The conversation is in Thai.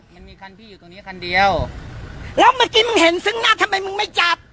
มันมีคันพี่อยู่ตรงนี้คันเดียวแล้วเมื่อกี้มึงเห็นซึ่งหน้าทำไมมึงไม่จับ